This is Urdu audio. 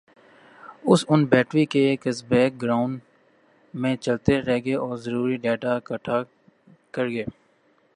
اس ان بیٹری کے گز بیک گراؤنڈ میں چلتے ر گے اور ضروری ڈیٹا اکھٹا کر ر گے